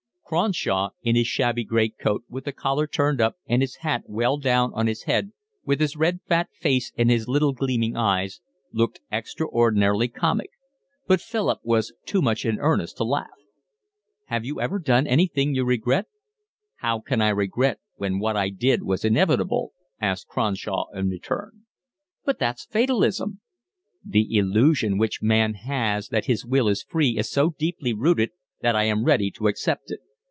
Cronshaw in his shabby great coat, with the collar turned up, and his hat well down on his head, with his red fat face and his little gleaming eyes, looked extraordinarily comic; but Philip was too much in earnest to laugh. "Have you never done anything you regret?" "How can I regret when what I did was inevitable?" asked Cronshaw in return. "But that's fatalism." "The illusion which man has that his will is free is so deeply rooted that I am ready to accept it.